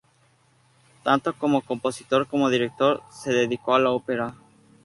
Tanto como compositor como director, se dedicó a la ópera.